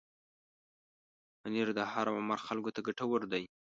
پنېر د هر عمر خلکو ته ګټور دی.